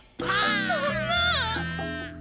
そんな！